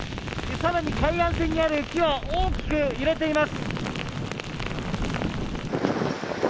さらに海岸線にある木は大きく揺れています。